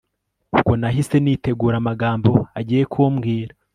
ubwo nahise nitegura amagambo agiye kumbwira